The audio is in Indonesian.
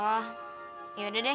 oh ya udah deh